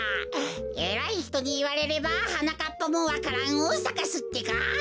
えらいひとにいわれればはなかっぱもわか蘭をさかすってか。